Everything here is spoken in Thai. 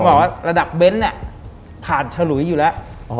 บอกว่าระดับเบนท์เนี่ยผ่านฉลุยอยู่แล้ว